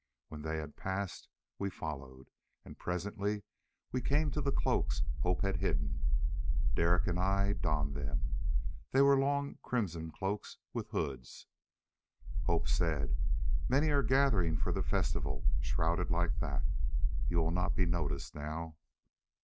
When they had passed we followed, and presently we came to the cloaks Hope had hidden. Derek and I donned them. They were long crimson cloaks with hoods. Hope said, "Many are gathering for the festival shrouded like that. You will not be noticed now."